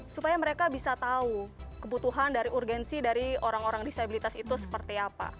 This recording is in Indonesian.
supaya mereka bisa tahu kebutuhan dari urgensi dari orang orang disabilitas itu seperti apa